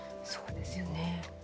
そうですよね。